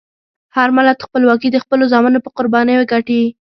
هر ملت خپلواکي د خپلو زامنو په قربانیو ګټي.